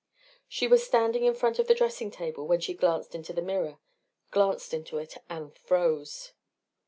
She was standing in front of the dressing table when she glanced into the mirror glanced into it and froze.